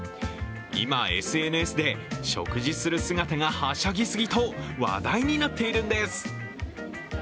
今、ＳＮＳで、食事する姿がはしゃぎすぎと、話題になっているんです。